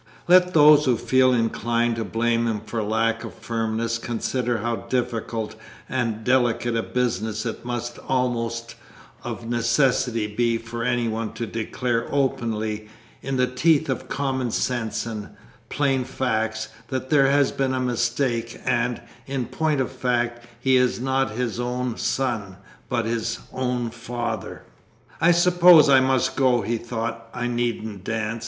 Let those who feel inclined to blame him for lack of firmness consider how difficult and delicate a business it must almost of necessity be for anyone to declare openly, in the teeth of common sense and plain facts, that there has been a mistake, and, in point of fact, he is not his own son, but his own father. "I suppose I must go," he thought. "I needn't dance.